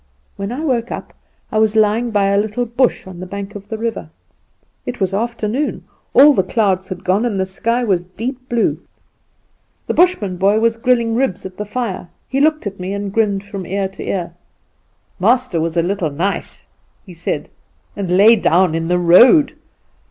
When I woke up I was lying by a little bush on the bank of the river. It was afternoon; all the clouds had gone, and the sky was deep blue. The Bushman boy was grilling ribs at the fire. He looked at me and grinned from ear to ear. 'Master was a little nice,' he said, 'and lay down in the road.